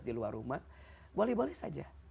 di luar rumah boleh boleh saja